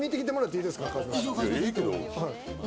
いいけど。